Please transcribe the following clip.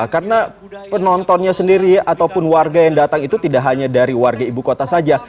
karena penontonnya sendiri ataupun warga yang datang itu tidak hanya dari warga ibu kota saja